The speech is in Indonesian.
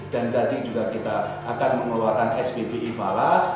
dan tadi juga kita akan mengeluarkan sppi falas